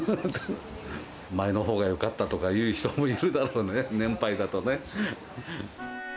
前のほうがよかったとか言う人もいるだろうね、年配だとね。